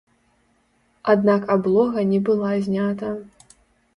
Аднак аблога не была знята.